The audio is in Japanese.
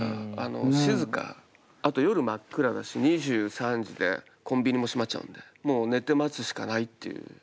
あと夜真っ暗だし２３時でコンビニも閉まっちゃうんでもう寝て待つしかないっていう。